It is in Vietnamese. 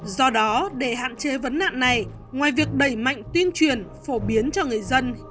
do đó để hạn chế vấn nạn này ngoài việc đẩy mạnh tuyên truyền phổ biến cho người dân